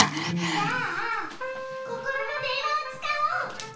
じゃあココロのでんわをつかおう！